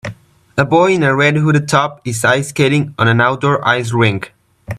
a boy in a red hooded top is ice skating on an outdoor ice rink.